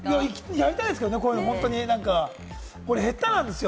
やりたいですけれどもね、俺、下手なんですよ